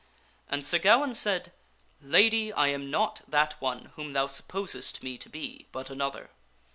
And Sir Gawaine said, " Lady, I am not that one whom thou supposest me to be, but another.